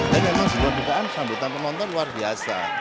tapi memang sebuah bukaan sambutan penonton luar biasa